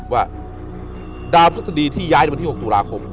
ว่าดาวพฤษฎีที่ย้ายในวันที่๖ตุลาคม